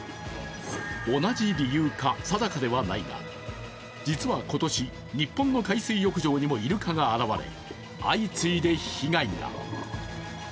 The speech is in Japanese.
同じ理由か定かではないが、実は今年、日本の海水浴場にもイルカが現れ相次いで被害が。